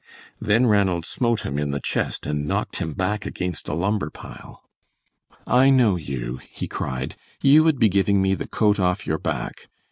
Then Ranald smote him in the chest and knocked him back against a lumber pile. "I know you," he cried; "you would be giving me the coat off your back.